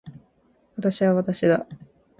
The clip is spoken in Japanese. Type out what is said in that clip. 私は私だ